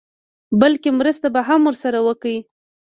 بلکې مرسته به هم ورسره وکړي.